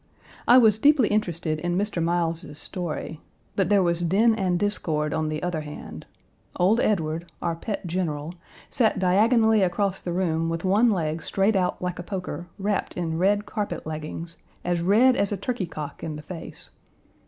I was deeply interested in Mr. Miles's story, but there was din and discord on the other hand; old Edward, our pet general, sat diagonally across the room with one leg straight out like a poker, wrapped in red carpet leggings, as red as a turkey cock in the face.